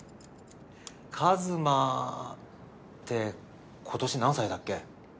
一真って今年何歳だっけ？